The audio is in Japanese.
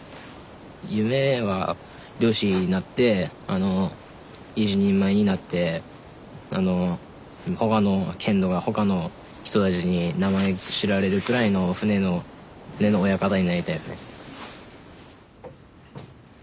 夢は漁師になって一人前になって他の県とか他の人たちに名前知られるくらいの船の親方になりたいですね。